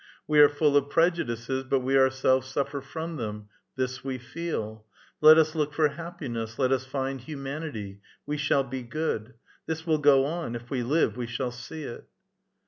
. We are full of prejudices, but we our selves suffer from them ; this we feel. Let us look for hap piness, let us find humanity, we shall be good ; this will go on ; if we live, we shall see it.